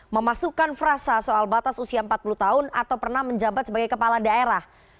memasukkan frasa soal batas usia empat puluh tahun atau pernah menjabat sebagai kepala daerah